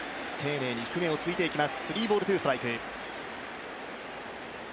丁寧に低めを突いていきます。